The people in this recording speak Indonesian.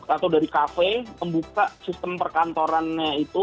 atau dari kafe membuka sistem perkantorannya itu